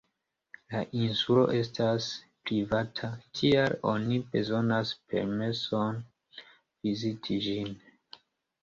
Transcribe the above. La insulo estas privata, tial oni bezonas permeson viziti ĝin.